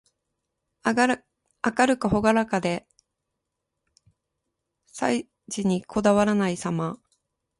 明るくほがらかで、細事にこだわらないさま。